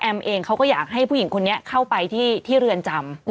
เองเขาก็อยากให้ผู้หญิงคนนี้เข้าไปที่เรือนจำ